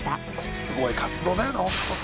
すごい活動だよな。